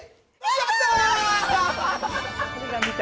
やった！